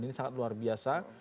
ini sangat luar biasa